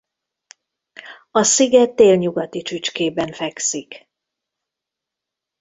A sziget délnyugati csücskében fekszik.